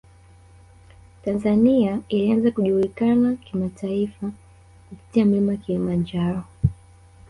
tanzania ilianza kujulikana kimataifa kupitia mlima kilimanjaro